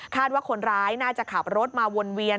ว่าคนร้ายน่าจะขับรถมาวนเวียน